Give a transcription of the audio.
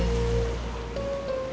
kalau enggak boleh pak